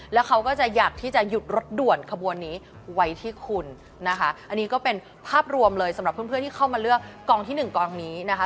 แล้วเขาก็จะอยากที่จะหยุดรถด่วนขบวนนี้ไว้ที่คุณนะคะอันนี้ก็เป็นภาพรวมเลยสำหรับเพื่อนเพื่อนที่เข้ามาเลือกกองที่หนึ่งกองนี้นะคะ